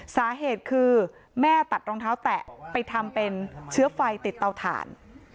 สาเหตุคือแม่ตัดรองเท้าแตะไปทำเป็นเชื้อไฟติดเตาถ่าน